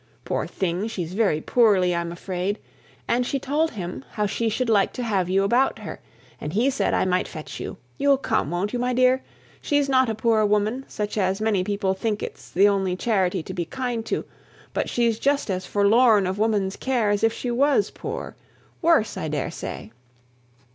Poor thing, she's very poorly, I'm afraid; and she told him how she should like to have you about her, and he said I might fetch you. You'll come, won't you, my dear? She's not a poor woman, such as many people think it's the only charity to be kind to, but she's just as forlorn of woman's care as if she was poor worse, I daresay."